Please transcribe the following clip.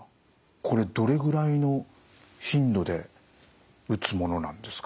これどれぐらいの頻度で打つものなんですか？